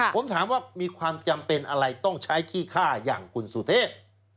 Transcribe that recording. ผมถามว่ามีความจำเป็นอะไรต้องใช้ขี้ฆ่าอย่างคุณสุเทพ